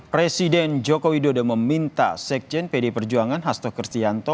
presiden jokowi dodo meminta sekjen pdi perjuangan hasto kertianto